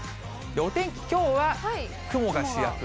お天気、きょうは雲が主役。